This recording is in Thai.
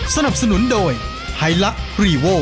สนับสนุนโดยไฮลักษ์รีโว